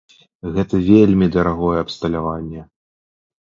Гэта вельмі дарагое абсталяванне.